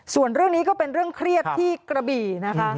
ส่วนเรื่องนี้ก็เป็นเรื่องเครียดที่กระบี่นะคะ